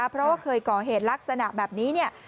เพราะว่าเคยก่อเหตุลักษณะแบบนี้เนี่ย